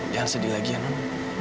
jangan sedih lagi ya non